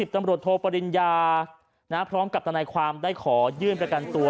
ตำรวจโทปริญญาพร้อมกับทนายความได้ขอยื่นประกันตัว